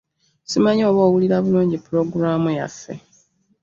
Ssimanyi oba owulira bulungi pulogulaamu yaffe.